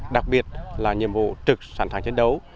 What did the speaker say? đặc biệt là nhiệm vụ trực sẵn sàng chiến đấu